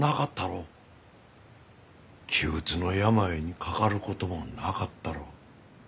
気鬱の病にかかることもなかったろう。